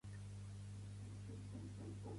VilaWeb - Diari digital líder en català.